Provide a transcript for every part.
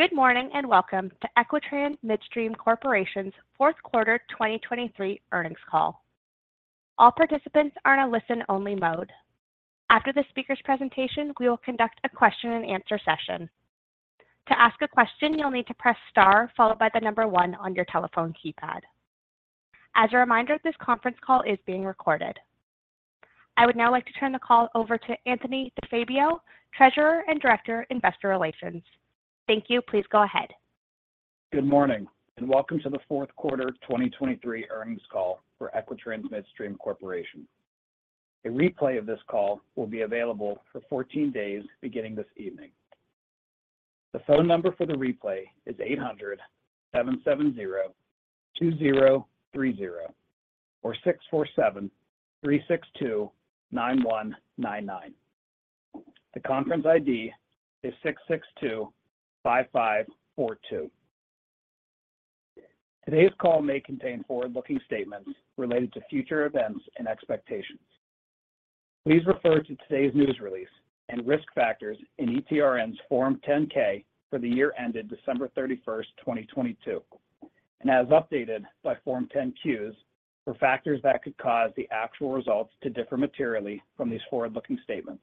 Good morning and welcome to Equitrans Midstream Corporation's Fourth Quarter 2023 Earnings Call. All participants are in a listen-only mode. After the speaker's presentation, we will conduct a question-and-answer session. To ask a question, you'll need to press star followed by the number one on your telephone keypad. As a reminder, this conference call is being recorded. I would now like to turn the call over to Anthony DeFabio, Treasurer and Director, Investor Relations. Thank you. Please go ahead. Good morning and welcome to the Fourth Quarter 2023 Earnings Call for Equitrans Midstream Corporation. A replay of this call will be available for 14 days beginning this evening. The phone number for the replay is 800-770-2030 or 647-362-9199. The conference ID is 6625542. Today's call may contain forward-looking statements related to future events and expectations. Please refer to today's news release and risk factors in ETRN's Form 10-K for the year ended December 31st, 2022, and as updated by Form 10-Qs for factors that could cause the actual results to differ materially from these forward-looking statements.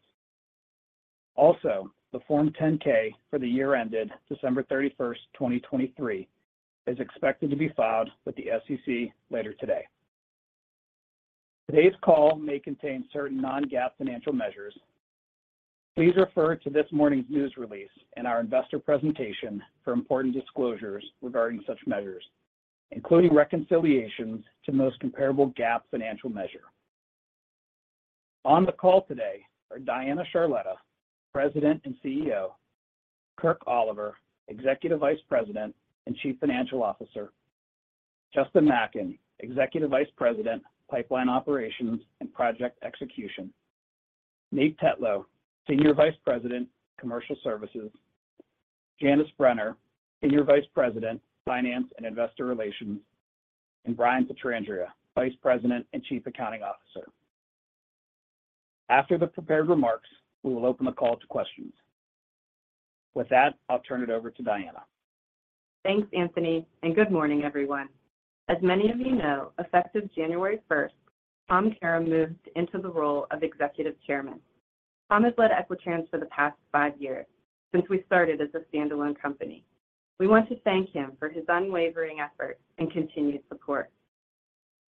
Also, the Form 10-K for the year ended December 31st, 2023, is expected to be filed with the SEC later today. Today's call may contain certain non-GAAP financial measures. Please refer to this morning's news release and our investor presentation for important disclosures regarding such measures, including reconciliations to the most comparable GAAP financial measure. On the call today are Diana Charletta, President and CEO, Kirk Oliver, Executive Vice President and Chief Financial Officer, Justin Macken, Executive Vice President, Pipeline Operations and Project Execution, Nate Tetlow, Senior Vice President, Commercial Services, Janice Brenner, Senior Vice President, Finance and Investor Relations, and Brian Pietrandrea, Vice President and Chief Accounting Officer. After the prepared remarks, we will open the call to questions. With that, I'll turn it over to Diana. Thanks, Anthony, and good morning, everyone. As many of you know, effective January 1st, Tom Karam moved into the role of Executive Chairman. Tom has led Equitrans for the past five years since we started as a standalone company. We want to thank him for his unwavering efforts and continued support.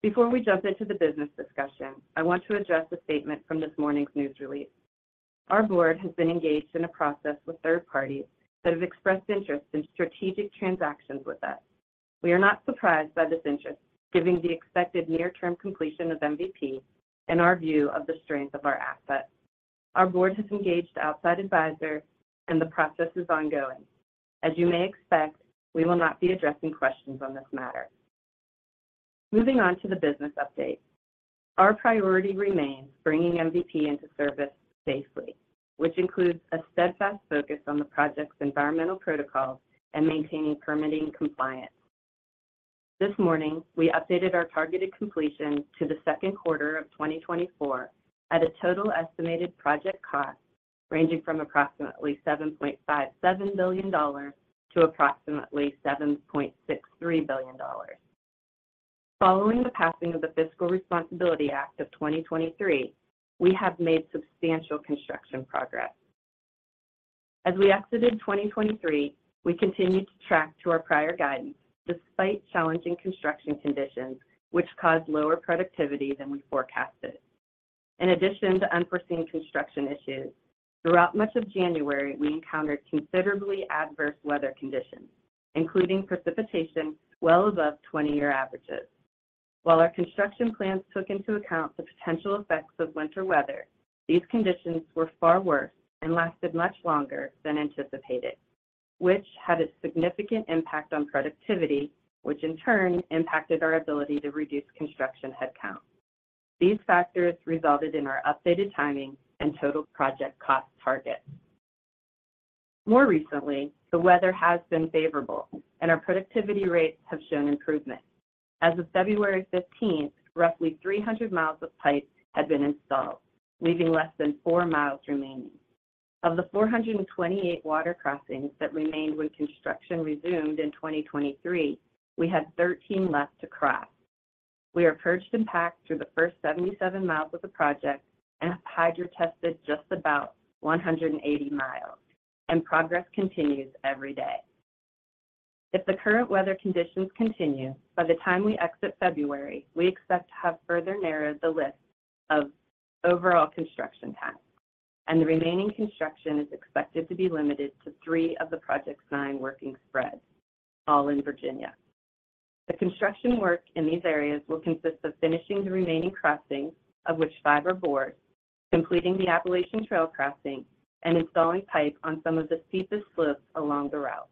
Before we jump into the business discussion, I want to address a statement from this morning's news release. Our board has been engaged in a process with third parties that have expressed interest in strategic transactions with us. We are not surprised by this interest, given the expected near-term completion of MVP and our view of the strength of our assets. Our board has engaged outside advisors, and the process is ongoing. As you may expect, we will not be addressing questions on this matter. Moving on to the business update. Our priority remains bringing MVP into service safely, which includes a steadfast focus on the project's environmental protocols and maintaining permitting compliance. This morning, we updated our targeted completion to the second quarter of 2024 at a total estimated project cost ranging from approximately $7.57 billion to $7.63 billion. Following the passing of the Fiscal Responsibility Act of 2023, we have made substantial construction progress. As we exited 2023, we continued to track to our prior guidance despite challenging construction conditions, which caused lower productivity than we forecasted. In addition to unforeseen construction issues, throughout much of January, we encountered considerably adverse weather conditions, including precipitation well above 20-year averages. While our construction plans took into account the potential effects of winter weather, these conditions were far worse and lasted much longer than anticipated, which had a significant impact on productivity, which in turn impacted our ability to reduce construction headcount. These factors resulted in our updated timing and total project cost targets. More recently, the weather has been favorable, and our productivity rates have shown improvement. As of February 15th, roughly 300 mi of pipes had been installed, leaving less than 4 mi remaining. Of the 428 water crossings that remained when construction resumed in 2023, we had 13 left to cross. We are purged and packed through the first 77 mi of the project and have hydro-tested just about 180 mi, and progress continues every day. If the current weather conditions continue, by the time we exit February, we expect to have further narrowed the risk of overall construction time, and the remaining construction is expected to be limited to three of the project's nine working spreads, all in Virginia. The construction work in these areas will consist of finishing the remaining crossings, of which five are bores, completing the Appalachian Trail crossing, and installing pipe on some of the steepest slopes along the route.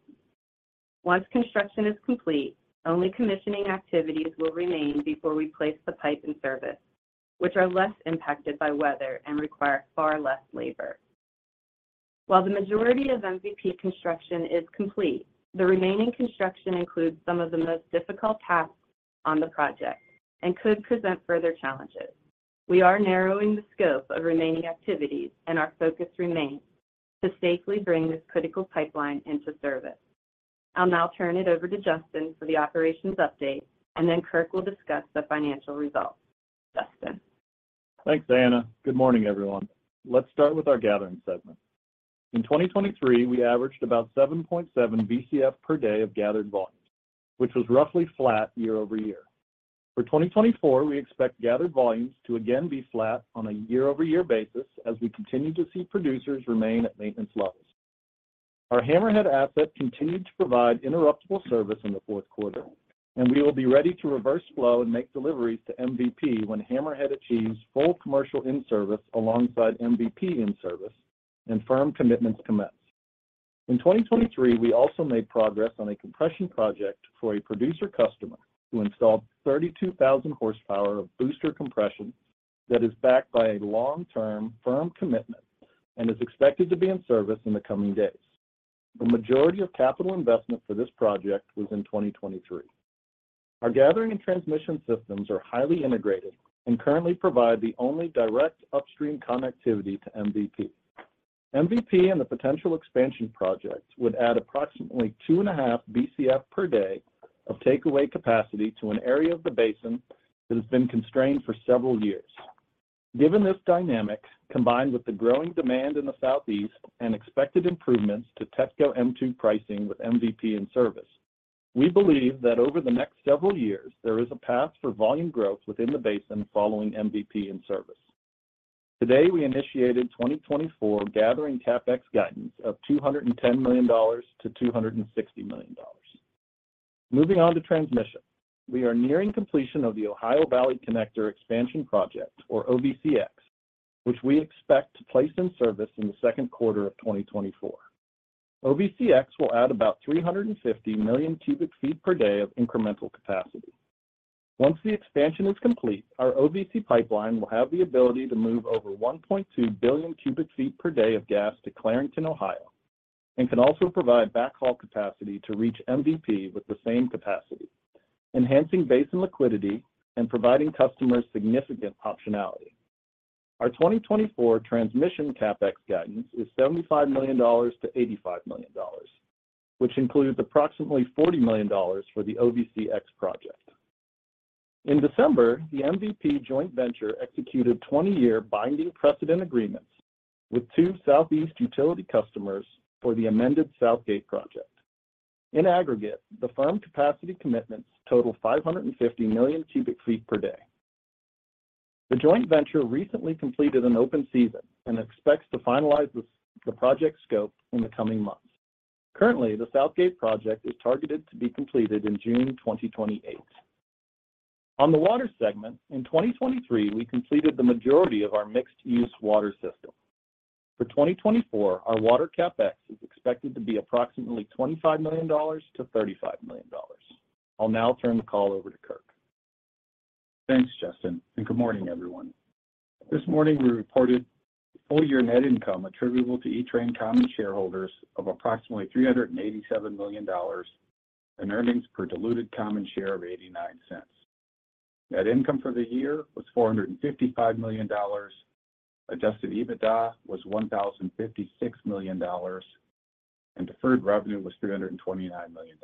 Once construction is complete, only commissioning activities will remain before we place the pipe in service, which are less impacted by weather and require far less labor. While the majority of MVP construction is complete, the remaining construction includes some of the most difficult tasks on the project and could present further challenges. We are narrowing the scope of remaining activities, and our focus remains to safely bring this critical pipeline into service. I'll now turn it over to Justin for the operations update, and then Kirk will discuss the financial results. Justin. Thanks, Diana. Good morning, everyone. Let's start with our gathering segment. In 2023, we averaged about 7.7 Bcf per day of gathered volume, which was roughly flat year-over-year. For 2024, we expect gathered volumes to again be flat on a year-over-year basis as we continue to see producers remain at maintenance levels. Our Hammerhead asset continued to provide interruptible service in the fourth quarter, and we will be ready to reverse flow and make deliveries to MVP when Hammerhead achieves full commercial in-service alongside MVP in-service and firm commitments commence. In 2023, we also made progress on a compression project for a producer customer who installed 32,000 horsepower of booster compression that is backed by a long-term firm commitment and is expected to be in service in the coming days. The majority of capital investment for this project was in 2023. Our gathering and transmission systems are highly integrated and currently provide the only direct upstream connectivity to MVP. MVP and the potential expansion project would add approximately 2.5 Bcf per day of takeaway capacity to an area of the basin that has been constrained for several years. Given this dynamic, combined with the growing demand in the Southeast and expected improvements to TETCO M2 pricing with MVP in service, we believe that over the next several years, there is a path for volume growth within the basin following MVP in service. Today, we initiated 2024 gathering CapEx guidance of $210 million to $260 million. Moving on to transmission, we are nearing completion of the Ohio Valley Connector expansion project, or OVCX, which we expect to place in service in the second quarter of 2024. OVCX will add about 350 million cubic feet per day of incremental capacity. Once the expansion is complete, our OVC pipeline will have the ability to move over 1.2 billion cubic feet per day of gas to Clarington, Ohio, and can also provide backhaul capacity to reach MVP with the same capacity, enhancing basin liquidity and providing customers significant optionality. Our 2024 transmission CapEx guidance is $75 million to $85 million, which includes approximately $40 million for the OVCX project. In December, the MVP joint venture executed 20-year binding precedent agreements with two Southeast utility customers for the amended Southgate project. In aggregate, the firm capacity commitments total 550 million cubic feet per day. The joint venture recently completed an open season and expects to finalize the project scope in the coming months. Currently, the Southgate project is targeted to be completed in June 2028. On the water segment, in 2023, we completed the majority of our mixed-use water system. For 2024, our water CapEx is expected to be approximately $25 million to $35 million. I'll now turn the call over to Kirk. Thanks, Justin, and good morning, everyone. This morning, we reported full-year net income attributable to ETRN common shareholders of approximately $387 million and earnings per diluted common share of $0.89. Net income for the year was $455 million, Adjusted EBITDA was $1,056 million, and deferred revenue was $329 million.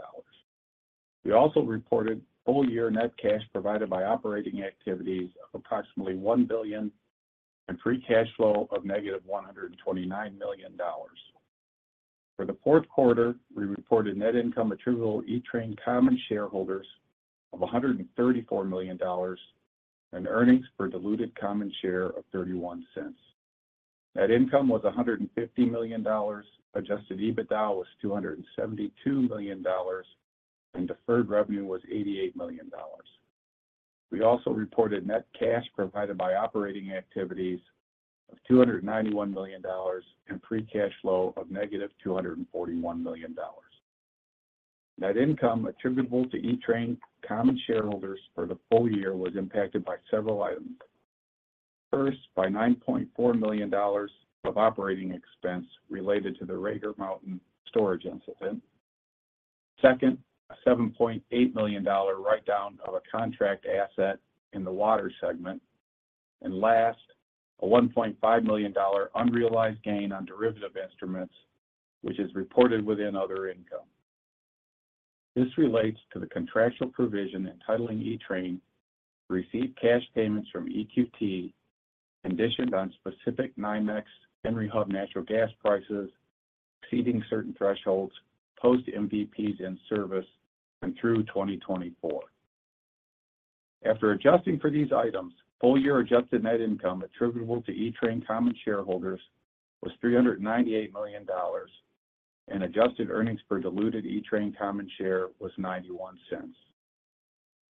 We also reported full-year net cash provided by operating activities of approximately $1 billion and free cash flow of negative $129 million. For the fourth quarter, we reported net income attributable to ETRN common shareholders of $134 million and earnings per diluted common share of $0.31. Net income was $150 million, Adjusted EBITDA was $272 million, and deferred revenue was $88 million. We also reported net cash provided by operating activities of $291 million and free cash flow of negative $241 million. Net income attributable to ETRN common shareholders for the full year was impacted by several items. First, by $9.4 million of operating expense related to the Rager Mountain storage incident. Second, a $7.8 million write-down of a contract asset in the water segment. And last, a $1.5 million unrealized gain on derivative instruments, which is reported within other income. This relates to the contractual provision entitling ETRN to receive cash payments from EQT conditioned on specific NYMEX and Henry Hub natural gas prices exceeding certain thresholds post-MVP in service and through 2024. After adjusting for these items, full-year adjusted net income attributable to ETRN common shareholders was $398 million, and adjusted earnings per diluted ETRN common share was $0.91.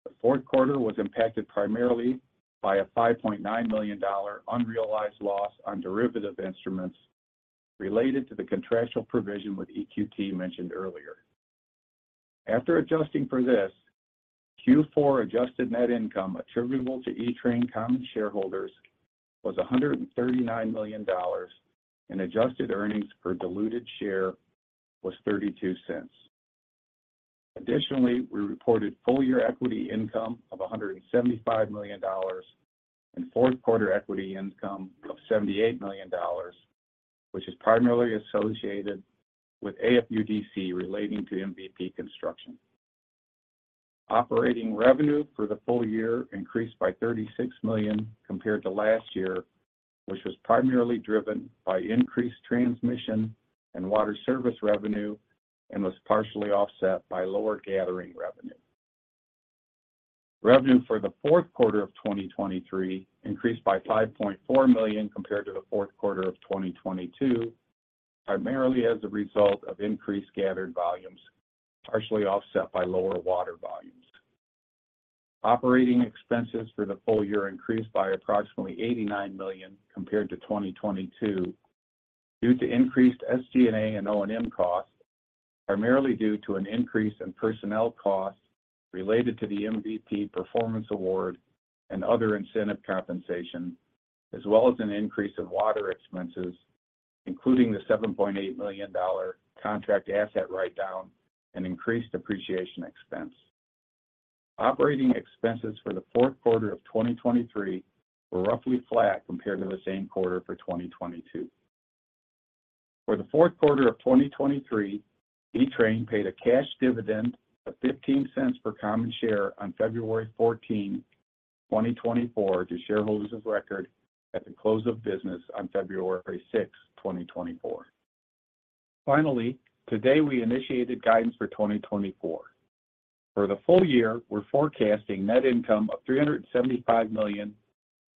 The fourth quarter was impacted primarily by a $5.9 million unrealized loss on derivative instruments related to the contractual provision with EQT mentioned earlier. After adjusting for this, Q4 adjusted net income attributable to ETRN common shareholders was $139 million, and adjusted earnings per diluted share was $0.32. Additionally, we reported full-year equity income of $175 million and fourth quarter equity income of $78 million, which is primarily associated with AFUDC relating to MVP construction. Operating revenue for the full year increased by $36 million compared to last year, which was primarily driven by increased transmission and water service revenue and was partially offset by lower gathering revenue. Revenue for the fourth quarter of 2023 increased by $5.4 million compared to the fourth quarter of 2022, primarily as a result of increased gathered volumes, partially offset by lower water volumes. Operating expenses for the full year increased by approximately $89 million compared to 2022 due to increased SG&A and O&M costs, primarily due to an increase in personnel costs related to the MVP performance award and other incentive compensation, as well as an increase in water expenses, including the $7.8 million contract asset write-down and increased depreciation expense. Operating expenses for the fourth quarter of 2023 were roughly flat compared to the same quarter for 2022. For the fourth quarter of 2023, ETRN paid a cash dividend of $0.15 per common share on February 14, 2024, to shareholders of record at the close of business on February 6, 2024. Finally, today, we initiated guidance for 2024. For the full year, we're forecasting net income of $375 million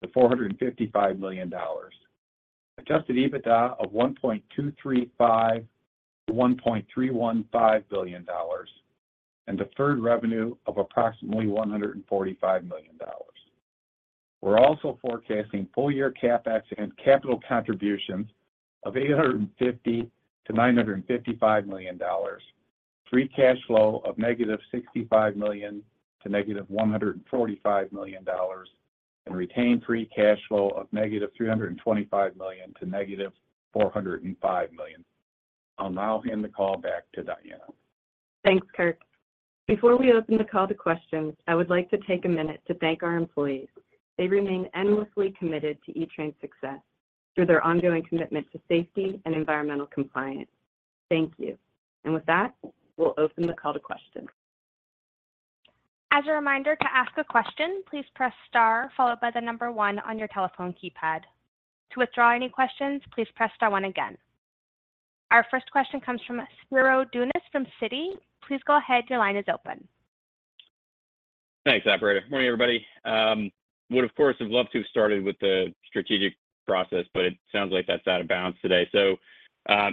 to $455 million, Adjusted EBITDA of $1.235 billion to $1.315 billion, and deferred revenue of approximately $145 million. We're also forecasting full-year CapEx and capital contributions of $850 million to $955 million, free cash flow of -$65 million to -$145 million, and retained free cash flow of -$325 million to -$405 million. I'll now hand the call back to Diana. Thanks, Kirk. Before we open the call to questions, I would like to take a minute to thank our employees. They remain endlessly committed to ETRN's success through their ongoing commitment to safety and environmental compliance. Thank you. With that, we'll open the call to questions. As a reminder, to ask a question, please press star followed by the number one on your telephone keypad. To withdraw any questions, please press star one again. Our first question comes from Spiro Dounis from Citi. Please go ahead. Your line is open. Thanks, operator. Morning, everybody. Would, of course, have loved to have started with the strategic process, but it sounds like that's out of bounds today. So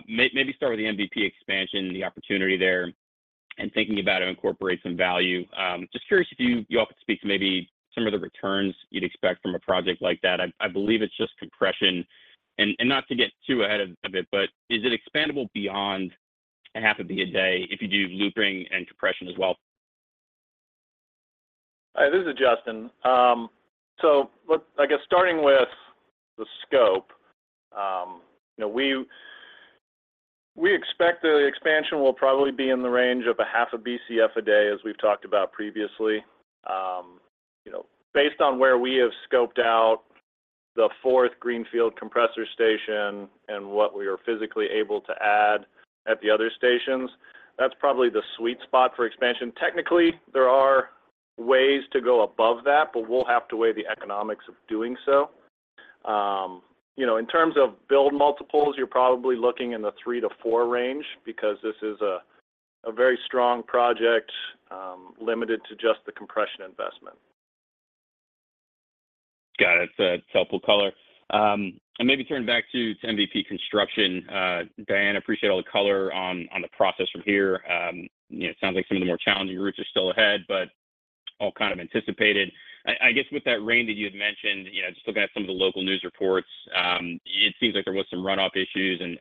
maybe start with the MVP expansion, the opportunity there, and thinking about how to incorporate some value. Just curious if you all could speak to maybe some of the returns you'd expect from a project like that. I believe it's just compression. And not to get too ahead of it, but is it expandable beyond 0.5 Bcf/d if you do looping and compression as well? Hi, this is Justin. So I guess starting with the scope, we expect the expansion will probably be in the range of 0.5 Bcf/d, as we've talked about previously. Based on where we have scoped out the fourth greenfield compressor station and what we are physically able to add at the other stations, that's probably the sweet spot for expansion. Technically, there are ways to go above that, but we'll have to weigh the economics of doing so. In terms of build multiples, you're probably looking in the three to four range because this is a very strong project limited to just the compression investment. Got it. That's helpful color. Maybe turning back to MVP construction, Diana, I appreciate all the color on the process from here. It sounds like some of the more challenging routes are still ahead, but all kind of anticipated. I guess with that rain that you had mentioned, just looking at some of the local news reports, it seems like there was some runoff issues and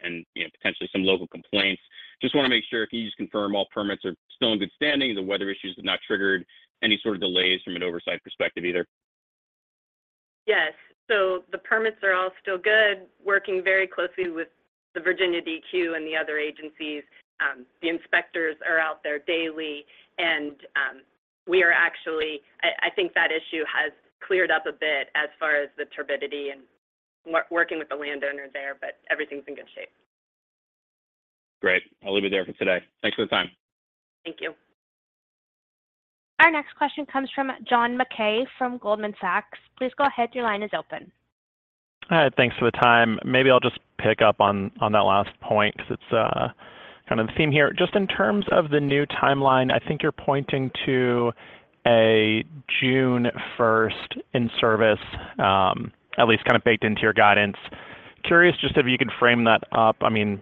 potentially some local complaints. Just want to make sure, can you just confirm all permits are still in good standing? Are the weather issues have not triggered any sort of delays from an oversight perspective either? Yes. So the permits are all still good, working very closely with the Virginia DEQ and the other agencies. The inspectors are out there daily, and we are actually I think that issue has cleared up a bit as far as the turbidity and working with the landowner there, but everything's in good shape. Great. I'll leave it there for today. Thanks for the time. Thank you. Our next question comes from John Mackay from Goldman Sachs. Please go ahead. Your line is open. All right. Thanks for the time. Maybe I'll just pick up on that last point because it's kind of the theme here. Just in terms of the new timeline, I think you're pointing to a June 1st in service, at least kind of baked into your guidance. Curious just if you could frame that up. I mean,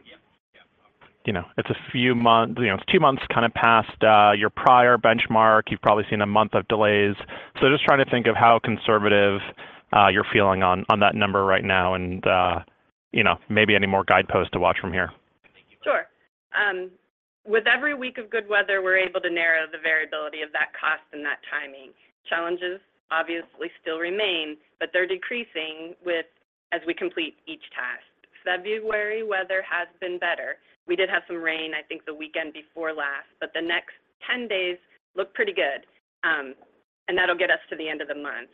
it's a few months, it's two months kind of past your prior benchmark. You've probably seen a month of delays. So just trying to think of how conservative you're feeling on that number right now and maybe any more guideposts to watch from here. Sure. With every week of good weather, we're able to narrow the variability of that cost and that timing. Challenges, obviously, still remain, but they're decreasing as we complete each task. February weather has been better. We did have some rain, I think, the weekend before last, but the next 10 days look pretty good, and that'll get us to the end of the month.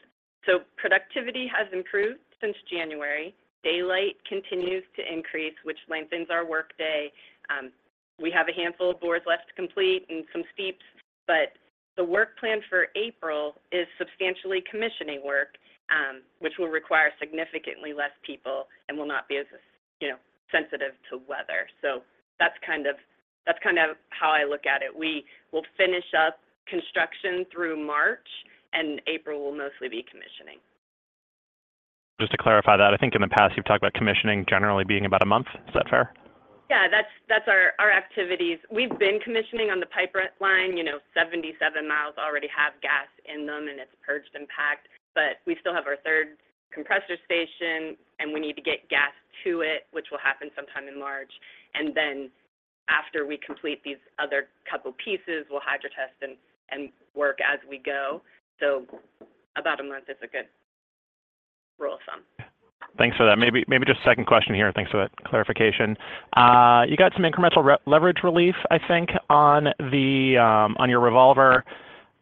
So productivity has improved since January. Daylight continues to increase, which lengthens our workday. We have a handful of bores left to complete and some steeps, but the work plan for April is substantially commissioning work, which will require significantly less people and will not be as sensitive to weather. So that's kind of how I look at it. We'll finish up construction through March, and April will mostly be commissioning. Just to clarify that, I think in the past, you've talked about commissioning generally being about a month. Is that fair? Yeah. That's our activities. We've been commissioning on the pipeline. 77 mi already have gas in them, and it's purged and packed. But we still have our third compressor station, and we need to get gas to it, which will happen sometime in March. And then after we complete these other couple of pieces, we'll hydro-test and work as we go. So about a month is a good rule of thumb. Thanks for that. Maybe just second question here. Thanks for that clarification. You got some incremental leverage relief, I think, on your revolver.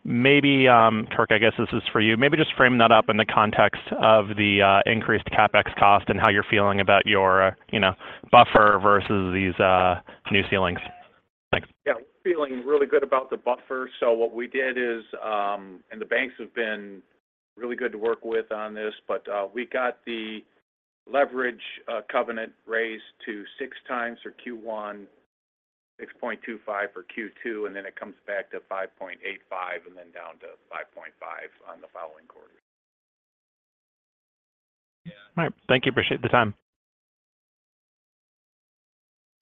Kirk, I guess this is for you. Maybe just frame that up in the context of the increased CapEx cost and how you're feeling about your buffer versus these new ceilings. Thanks. Yeah. Feeling really good about the buffer. So what we did is, and the banks have been really good to work with on this. But we got the leverage covenant raised to 6x for Q1, 6.25x for Q2, and then it comes back to 5.85x and then down to 5.5x on the following quarter. All right. Thank you. Appreciate the time.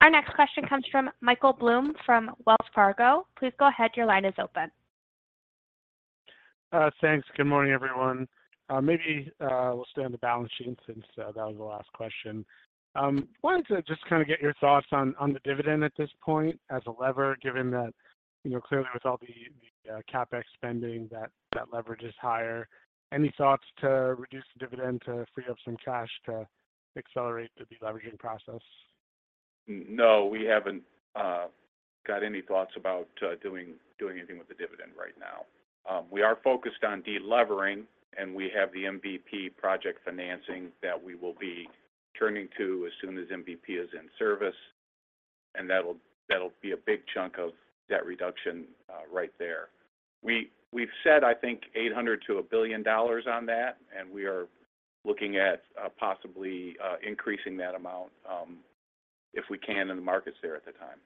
Our next question comes from Michael Blum from Wells Fargo. Please go ahead. Your line is open. Thanks. Good morning, everyone. Maybe we'll stay on the balance sheet since that was the last question. Wanted to just kind of get your thoughts on the dividend at this point as a lever, given that clearly, with all the CapEx spending, that leverage is higher. Any thoughts to reduce the dividend to free up some cash to accelerate the leveraging process? No, we haven't got any thoughts about doing anything with the dividend right now. We are focused on delevering, and we have the MVP project financing that we will be turning to as soon as MVP is in service. And that'll be a big chunk of that reduction right there. We've set, I think, $800 to $1 billion on that, and we are looking at possibly increasing that amount if we can and the market's there at the time.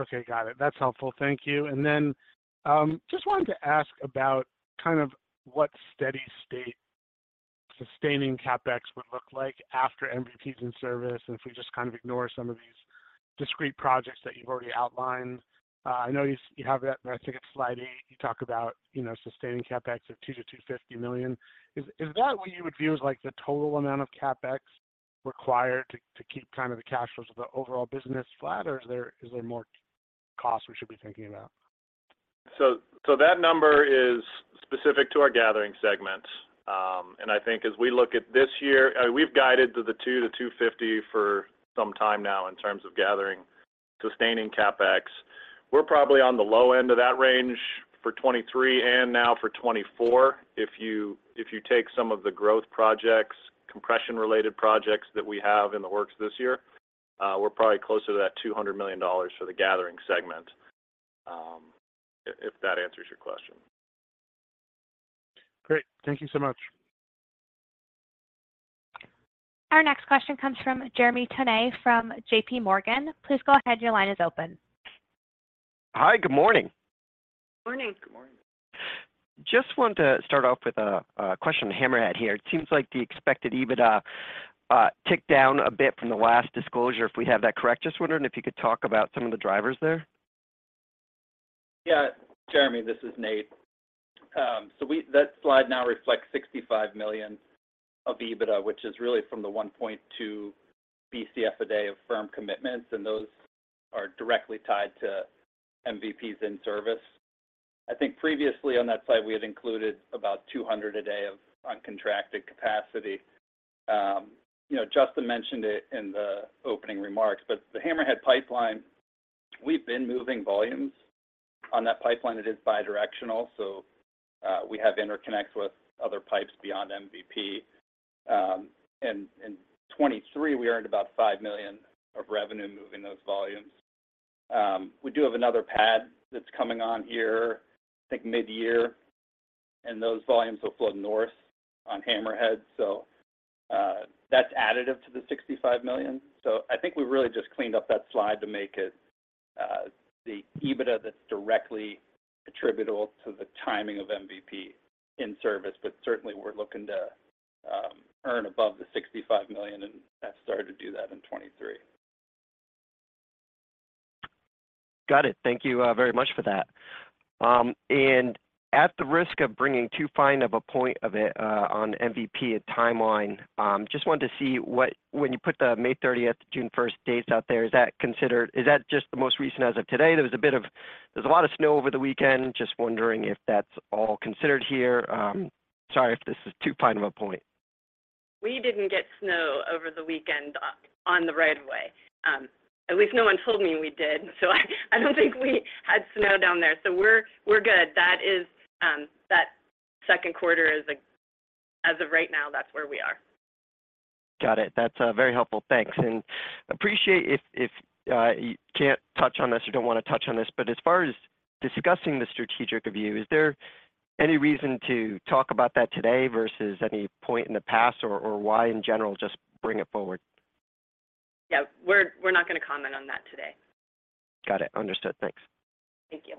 Okay. Got it. That's helpful. Thank you. And then just wanted to ask about kind of what steady state sustaining CapEx would look like after MVP's in service and if we just kind of ignore some of these discrete projects that you've already outlined. I know you have that, but I think it's slide 8. You talk about sustaining CapEx of $200 million to $250 million. Is that what you would view as the total amount of CapEx required to keep kind of the cash flows of the overall business flat, or is there more cost we should be thinking about? That number is specific to our gathering segment. I think as we look at this year, I mean, we've guided to the $200 million to $250 million for some time now in terms of gathering, sustaining CapEx. We're probably on the low end of that range for 2023 and now for 2024. If you take some of the growth projects, compression-related projects that we have in the works this year, we're probably closer to that $200 million for the gathering segment, if that answers your question. Great. Thank you so much. Our next question comes from Jeremy Tonet from JPMorgan. Please go ahead. Your line is open. Hi. Good morning. Good morning. Good morning. Just want to start off with a question on Hammerhead here. It seems like the expected EBITDA ticked down a bit from the last disclosure, if we have that correct. Just wondering if you could talk about some of the drivers there. Yeah. Jeremy, this is Nate. So that slide now reflects $65 million of EBITDA, which is really from the 1.2 Bcf/d of firm commitments, and those are directly tied to MVP's in service. I think previously, on that slide, we had included about 200 a day of uncontracted capacity. Justin mentioned it in the opening remarks, but the Hammerhead pipeline, we've been moving volumes on that pipeline. It is bidirectional, so we have interconnects with other pipes beyond MVP. And in 2023, we earned about $5 million of revenue moving those volumes. We do have another pad that's coming on here, I think, mid-year, and those volumes will flow north on Hammerhead. So that's additive to the $65 million. So I think we really just cleaned up that slide to make it the EBITDA that's directly attributable to the timing of MVP in service. Certainly, we're looking to earn above the $65 million, and that started to do that in 2023. Got it. Thank you very much for that. At the risk of bringing too fine of a point of it on MVP at timeline, just wanted to see when you put the May 30th, June 1st dates out there, is that considered is that just the most recent as of today? There was a lot of snow over the weekend. Just wondering if that's all considered here. Sorry if this is too fine of a point. We didn't get snow over the weekend on the roadway. At least no one told me we did, so I don't think we had snow down there. So we're good. That second quarter, as of right now, that's where we are. Got it. That's very helpful. Thanks. And appreciate if you can't touch on this or don't want to touch on this. But as far as discussing the strategic review, is there any reason to talk about that today versus any point in the past or why, in general, just bring it forward? Yeah. We're not going to comment on that today. Got it. Understood. Thanks. Thank you.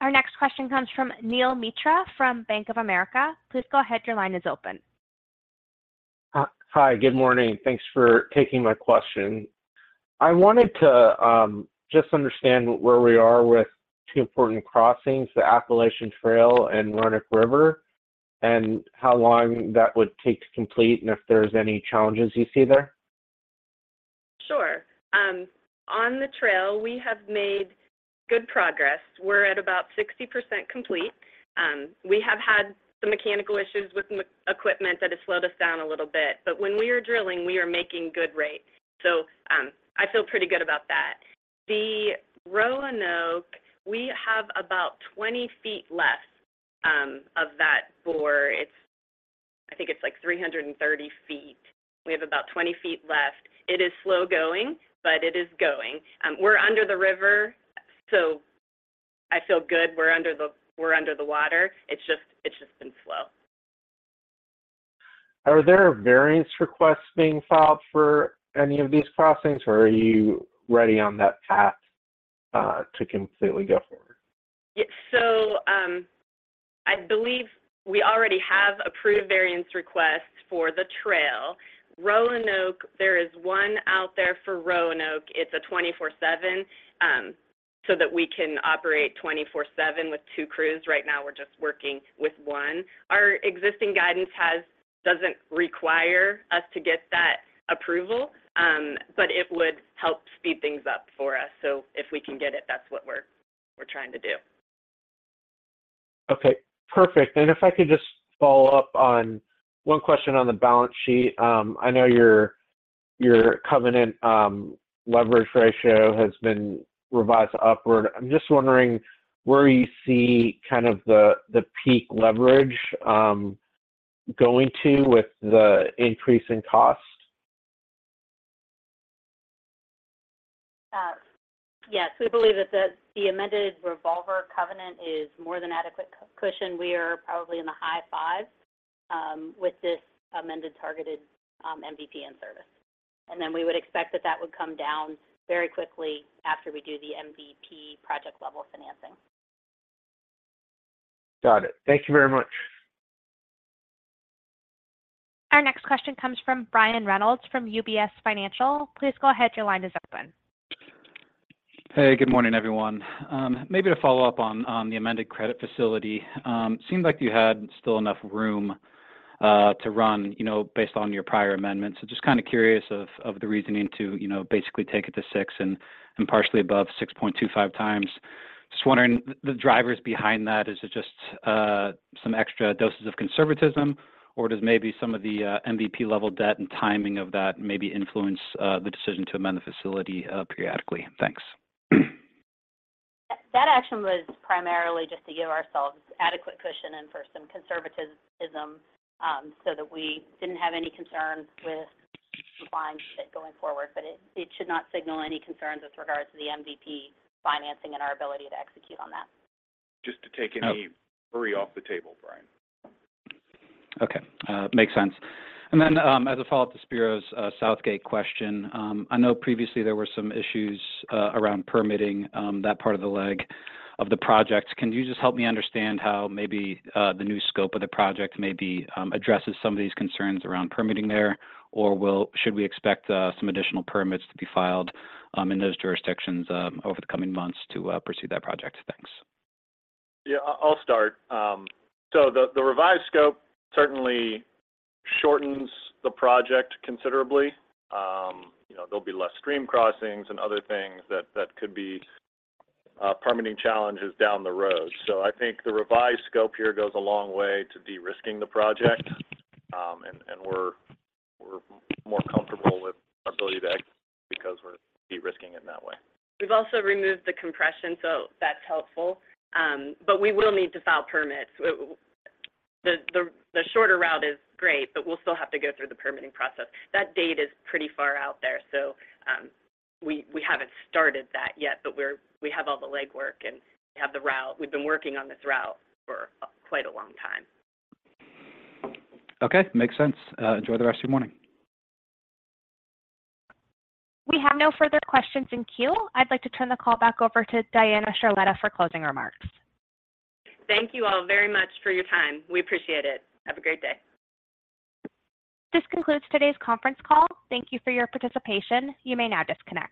Our next question comes from Neel Mitra from Bank of America. Please go ahead. Your line is open. Hi. Good morning. Thanks for taking my question. I wanted to just understand where we are with two important crossings, the Appalachian Trail and Roanoke River, and how long that would take to complete and if there's any challenges you see there. Sure. On the trail, we have made good progress. We're at about 60% complete. We have had some mechanical issues with equipment that has slowed us down a little bit. But when we are drilling, we are making good rate. So I feel pretty good about that. The Roanoke, we have about 20 ft left of that bore. I think it's like 330 ft. We have about 20 ft left. It is slow going, but it is going. We're under the river, so I feel good. We're under the water. It's just been slow. Are there variance requests being filed for any of these crossings, or are you ready on that path to completely go forward? I believe we already have approved variance requests for the trail. Roanoke, there is one out there for Roanoke. It's a 24/7 so that we can operate 24/7 with two crews. Right now, we're just working with one. Our existing guidance doesn't require us to get that approval, but it would help speed things up for us. If we can get it, that's what we're trying to do. Okay. Perfect. If I could just follow up on one question on the balance sheet. I know your covenant leverage ratio has been revised upward. I'm just wondering where you see kind of the peak leverage going to with the increase in cost? Yes. We believe that the amended revolver covenant is more than adequate cushion. We are probably in the high 5s with this amended targeted MVP in service. And then we would expect that that would come down very quickly after we do the MVP project-level financing. Got it. Thank you very much. Our next question comes from Brian Reynolds from UBS Financial. Please go ahead. Your line is open. Hey. Good morning, everyone. Maybe to follow up on the amended credit facility. Seemed like you had still enough room to run based on your prior amendments. So just kind of curious of the reasoning to basically take it to 6x and partially above 6.25x. Just wondering, the drivers behind that, is it just some extra doses of conservatism, or does maybe some of the MVP-level debt and timing of that maybe influence the decision to amend the facility periodically? Thanks. That action was primarily just to give ourselves adequate cushion and for some conservatism so that we didn't have any concerns with compliance going forward. But it should not signal any concerns with regards to the MVP financing and our ability to execute on that. Just to take any worry off the table, Brian. Okay. Makes sense. And then as a follow-up to Spiro's Southgate question, I know previously there were some issues around permitting that part of the leg of the project. Can you just help me understand how maybe the new scope of the project maybe addresses some of these concerns around permitting there, or should we expect some additional permits to be filed in those jurisdictions over the coming months to pursue that project? Thanks. Yeah. I'll start. So the revised scope certainly shortens the project considerably. There'll be less stream crossings and other things that could be permitting challenges down the road. So I think the revised scope here goes a long way to de-risking the project, and we're more comfortable with our ability to execute because we're de-risking it in that way. We've also removed the compression, so that's helpful. But we will need to file permits. The shorter route is great, but we'll still have to go through the permitting process. That date is pretty far out there, so we haven't started that yet. But we have all the legwork, and we have the route. We've been working on this route for quite a long time. Okay. Makes sense. Enjoy the rest of your morning. We have no further questions in queue. I'd like to turn the call back over to Diana Charletta for closing remarks. Thank you all very much for your time. We appreciate it. Have a great day. This concludes today's conference call. Thank you for your participation. You may now disconnect.